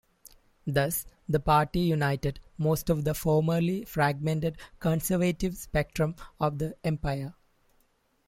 Thus, the party united most of the formerly fragmented conservative spectrum of the Empire.